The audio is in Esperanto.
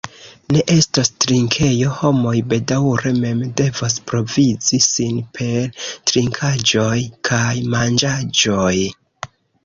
Ne estos trinkejo, homoj bedaŭre mem devos provizi sin per trinkaĵoj kaj manĝaĵoj.